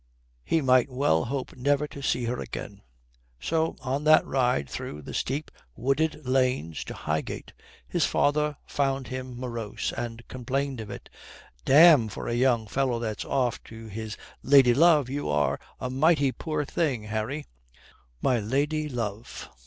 He might well hope never to see her again. So on that ride through the steep wooded lanes to Highgate, his father found him morose, and complained of it. "Damme, for a young fellow that's off to his lady love you are a mighty poor thing, Harry." "My lady love!